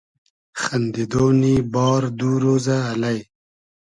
خئندیدۉنی بار دو رۉزۂ الݷ